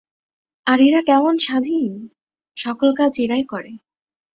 আর এরা কেমন স্বাধীন! সকল কাজ এরাই করে।